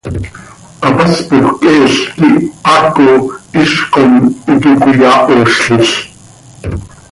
Hapaspoj cheel quih haaco iizc com iiqui cöiyahoozlil.